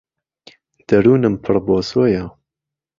دهرونم پڕ بۆسۆیه